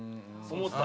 思った。